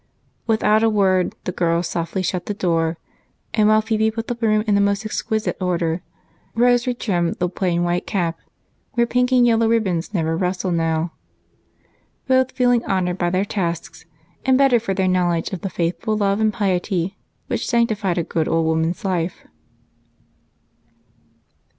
Without a word, the girls softly shut the door. And while Phebe put the room in the most exquisite order, Rose retrimmed the plain white cap, where pink and yellow ribbons never rustled now, both feeling honored by their tasks and better for their knowledge of the faithful love and piety which sanctified a good old woman's life.